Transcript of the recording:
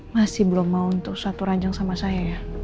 masih belum mau untuk satu ranjang sama saya ya